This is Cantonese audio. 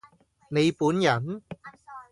你本人？